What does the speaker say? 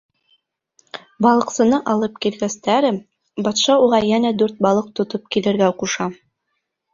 Балыҡсыны алып килгәстәре, батша уға йәнә дүрт балыҡ тотоп килергә ҡуша.